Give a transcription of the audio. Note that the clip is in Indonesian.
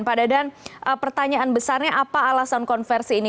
pak dadan pertanyaan besarnya apa alasan konversi ini